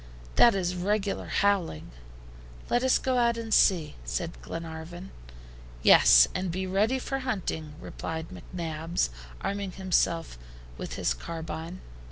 "That is regular howling." "Let us go out and see," said Glenarvan. "Yes, and be ready for hunting," replied McNabbs, arming himself with his carbine.